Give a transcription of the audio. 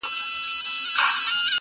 • له ظالمه که مظلوم په راحت نه وي -